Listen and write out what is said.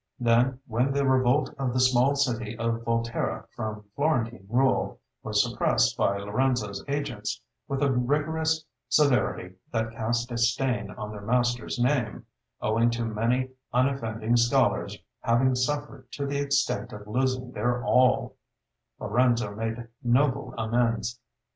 Then when the revolt of the small city of Volterra from Florentine rule was suppressed by Lorenzo's agents, with a rigorous severity that cast a stain on their master's name, owing to many unoffending scholars having suffered to the extent of losing their all, Lorenzo made noble amends.